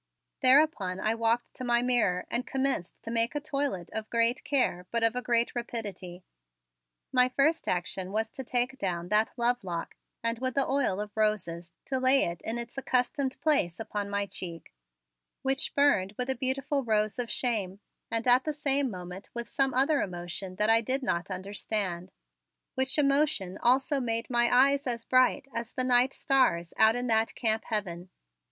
Thereupon I walked to my mirror and commenced to make a toilet of great care but of a great rapidity. My first action was to take down that lovelock and with the oil of roses to lay it in its accustomed place upon my cheek, which burned with a beautiful rose of shame and at the same moment with some other emotion that I did not understand; which emotion also made my eyes as bright as the night stars out in that Camp Heaven.